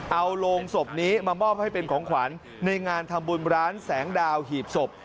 เอาโรงศพนี้มามอบให้เป็นของขวัญในงานทำบุญร้านแสงดาวหีบศพ